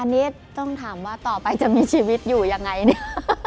อันนี้ต้องถามว่าต่อไปจะมีชีวิตอยู่ยังไงเนี่ย